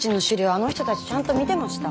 あの人たちちゃんと見てました？